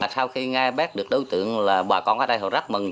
sau khi nghe bác được đối tượng là bà con ở đây họ rất mừng